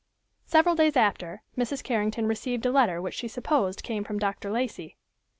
Several days after, Mrs. Carrington received a letter which she supposed came from Dr. Lacey.